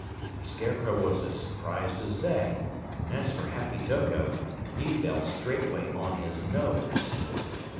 The Scarecrow was as surprised as they, and as for Happy Toko, he fell straightway on his nose!